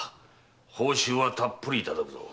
報酬はたっぷりいただくぞ。